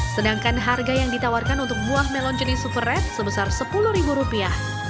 sedangkan harga yang ditawarkan untuk buah melon jenis super red sebesar sepuluh ribu rupiah